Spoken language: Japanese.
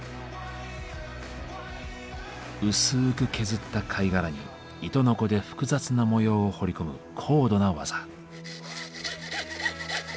薄く削った貝殻に糸のこで複雑な模様を彫り込む高度な技。